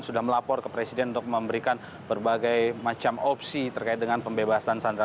sudah melapor ke presiden untuk memberikan berbagai macam opsi terkait dengan pembebasan sandra